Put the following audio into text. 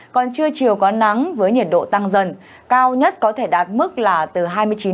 còn trưa chiều có nắng với nhiệt độ tăng dần cao nhất có thể đạt mức là từ hai mươi chín độ